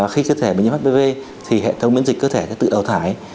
khi cơ thể bị nhiễm hpv thì hệ thống biến dịch cơ thể sẽ tự đào thải